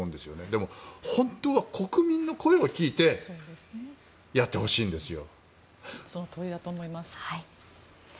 でも、本当は国民の声を聞いてやってほしいんですよ。